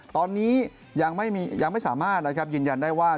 ตอนนี้ยังไม่สามารถยืนยันได้ว่า